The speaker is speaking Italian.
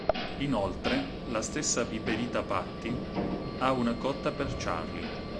Inoltre, la stessa Piperita Patty ha una cotta per Charlie.